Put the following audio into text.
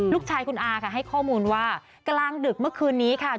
ลูกชายคุณอาค่ะให้ข้อมูลว่ากลางดึกเมื่อคืนนี้ค่ะ